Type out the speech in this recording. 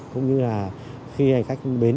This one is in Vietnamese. cũng như là khi hành khách bến